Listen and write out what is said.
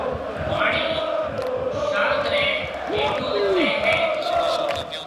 پوڻِي شاخ ريَ هيَٺون وهيَ هيَ۔